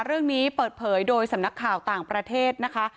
เรื่องนี้เปิดเผยโดยสำนักข่าวต่างประเทศนะคะ